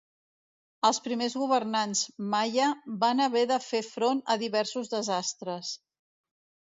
Els primers governants Malla van haver de fer front a diversos desastres.